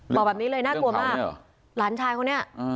บอกแบบนี้เลยน่ากลัวมากหลานชายเขาเนี่ย